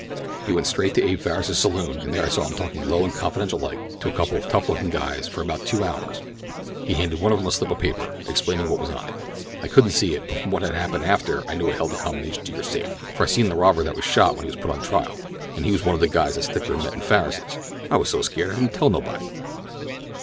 He went straight to Abe Farris's saloon, and there I saw him talking low and confidential like to a couple of tough lookin' guys for about two hours. He handed one of 'em a slip of paper, explaining what was on it. I couldn't see it, but from what happened after I knew it held the combination to your safe, for I seen the robber that was shot when he was put on trial, and he was one of the guys that Stickler met in Farris's. I was so scared I didn't dare tell nobody."